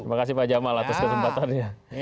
terima kasih pak jamal atas kesempatannya